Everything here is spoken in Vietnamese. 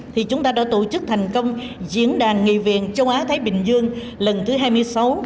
thì chúng ta đã tổ chức thành công diễn đàn nghị viện châu á thái bình dương lần thứ hai mươi sáu